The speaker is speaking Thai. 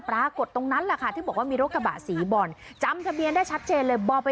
ปรากฏตรงนั้นแหละค่ะที่บอกว่ามีรถกระบะสีบอลจำทะเบียนได้ชัดเจนเลย